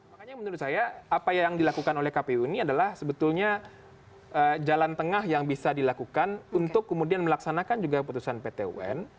makanya menurut saya apa yang dilakukan oleh kpu ini adalah sebetulnya jalan tengah yang bisa dilakukan untuk kemudian melaksanakan juga keputusan pt un